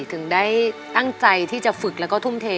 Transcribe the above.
ถึงได้ตั้งใจที่จะฝึกแล้วก็ทุ่มเท